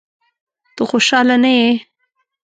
ته خوشاله نه یې؟